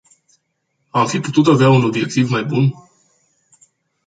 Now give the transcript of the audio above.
Am fi putut avea un obiectiv mai bun?